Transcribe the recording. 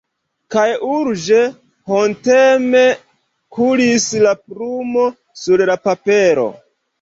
Kaj urĝe, honteme kuris la plumo sur la papero.